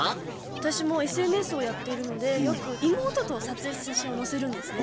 私もＳＮＳをやっているのでよく妹と撮影した写真を載せるんですね。